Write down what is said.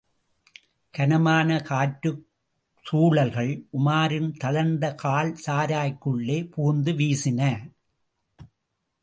கனமான காற்றுச்சூழல்கள், உமாரின் தளர்ந்த கால் சாராய்க்குள்ளே புகுந்து வீசின.